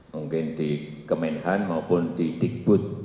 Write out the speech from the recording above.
mungkin di kemenhan maupun di dikbud